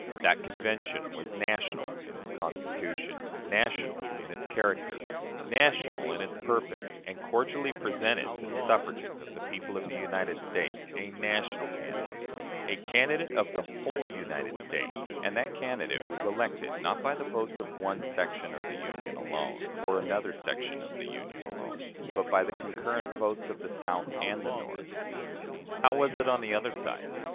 That Convention was national in its constitution, national in its character, national in its purpose, and cordially presented to the suffrages of the people of the United States a national candidate, a candidate of the whole United States; and that candidate was elected not by the votes of one section of the Union alone, or another section of the Union alone, but by the concurrent votes of the South and the North. How was it on the other side?